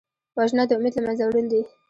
وژنه د امید له منځه وړل دي